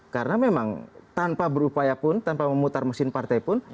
karena memang tanpa berupaya pun tanpa memutar mesin partai pun